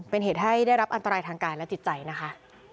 เป็นเหตุให้ได้รับอันตรายทางกายและจิตใจนะคะ